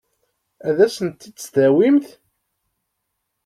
Ad asent-tt-id-tawimt?